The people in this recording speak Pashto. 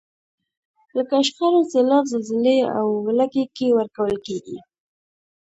لکه شخړو، سیلاب، زلزلې او ولږې کې ورکول کیږي.